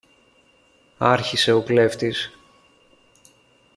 άρχισε ο κλέφτης.